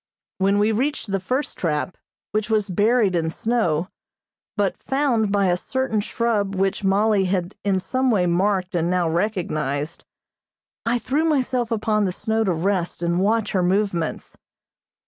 When we reached the first trap, which was buried in snow, but found by a certain shrub which Mollie had in some way marked and now recognized, I threw myself upon the snow to rest and watch her movements.